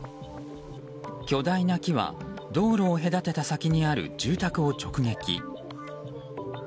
巨大な木は道路を隔てた先にある住宅を直撃。